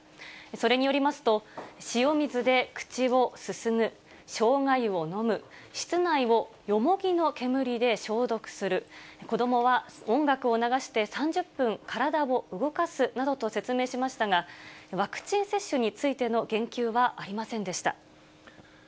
それによりますと、塩水で口をすすぐ、しょうが湯を飲む、室内をよもぎの煙で消毒する、子どもは音楽を流して３０分、体を動かすなどと説明しましたが、ワクチン接種についての言及はありませんでした。